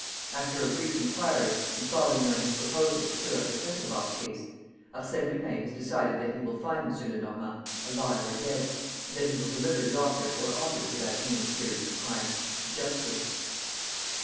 After a brief enquiry and following on his proposal to clear up the Kesselbach case, Arsène Lupin has decided that he will find M. Lenormand, alive or dead, and that he will deliver the author or authors of that heinous series of crimes to justice."